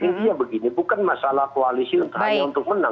ini dia begini bukan masalah koalisi untuk menang